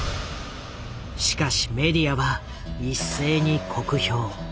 しかしメディアは一斉に酷評。